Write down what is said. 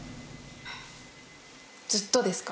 ずっとですか？